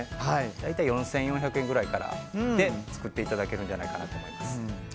大体４４００円くらいからで作っていただけるんじゃないかと思います。